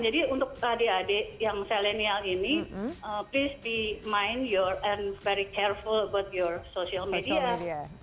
jadi untuk adik adik yang selenial ini please be mind your and very careful about your social media